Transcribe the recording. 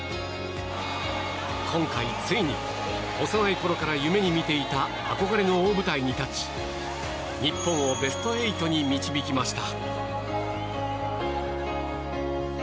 今回、ついに幼いころから夢に見ていた憧れの大舞台に立ち日本をベスト８に導きました。